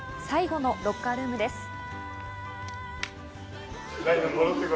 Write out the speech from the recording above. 最後のロッカールームです。